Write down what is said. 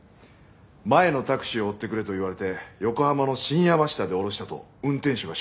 前のタクシーを追ってくれと言われて横浜の新山下で降ろしたと運転手が証言しました。